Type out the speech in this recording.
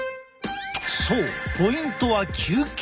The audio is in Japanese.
そうポイントは休憩。